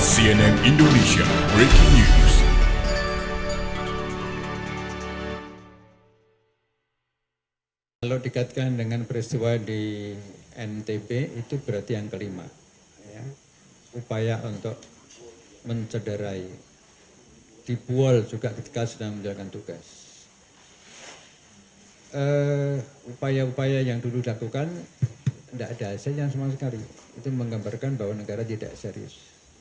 cnm indonesia breaking news